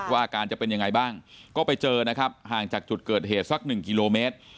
อาการจะเป็นยังไงบ้างก็ไปเจอนะครับห่างจากจุดเกิดเหตุสักหนึ่งกิโลเมตร